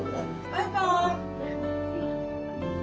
バイバイ。